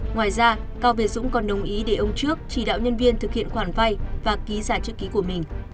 ngoài ra cao việt dũng còn đồng ý để ông trước chỉ đạo nhân viên thực hiện khoản vay và ký giả chữ ký của mình